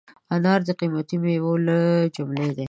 انار د قیمتي مېوو له جملې دی.